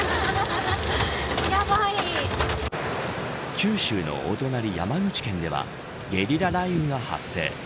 九州のお隣、山口県ではゲリラ雷雨が発生。